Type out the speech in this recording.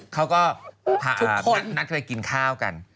เขาก็นัดกันไปกินข้าวกัน